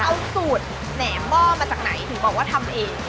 เอาสูตรแหนมหม้อมาจากไหนถึงบอกว่าทำเอง